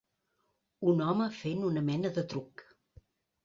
Un home fent una mena de truc.